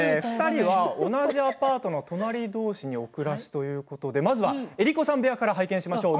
２人は同じアパートの隣どうしに暮らすということでまずは江里子さん部屋から拝見しましょう。